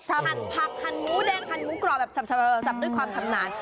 หั่นผักหั่นหมูแดงหั่นหมูกรอบแบบสับสับด้วยความชำนาญ